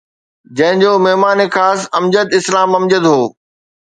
جنهن جو مهمان خاص امجد اسلام امجد هو